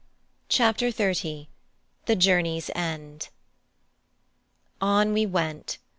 CHAPTER XXX: THE JOURNEY'S END On we went.